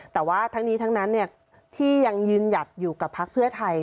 แต่ว่าทั้งนี้ทั้งนั้นที่ยังยืนหยัดอยู่กับพักเพื่อไทย